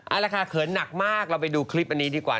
เอาละค่ะเขินหนักมากเราไปดูคลิปอันนี้ดีกว่า